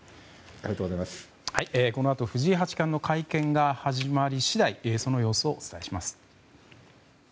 このあと藤井八冠の会見が始まり次第その様子をお伝えします。